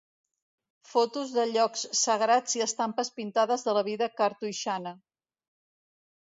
Fotos de llocs sagrats i estampes pintades de la vida cartoixana.